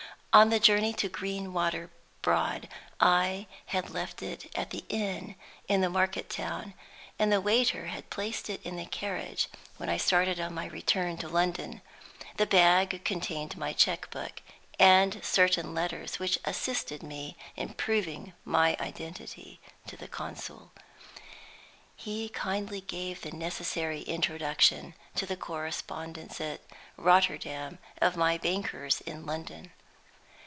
On the journey to Greenwater Broad I had left it at the inn in the market town, and the waiter had placed it in the carriage when I started on my return to London. The bag contained my checkbook, and certain letters which assisted me in proving my identity to the consul. He kindly gave me the necessary introduction to the correspondents at Rotterdam of my bankers in London.